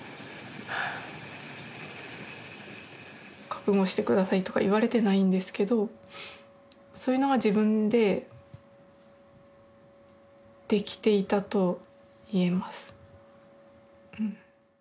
覚悟してくださいとか言われてないんですけどそういうのが自分でできていたと言えます。